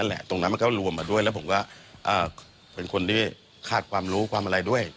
แหละตรงนั้นมันก็รวมมาด้วยแล้วผมก็เป็นคนที่คาดความรู้ความอะไรด้วย